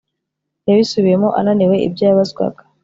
Yabisubiyemo ananiwe ibyo yabazwaga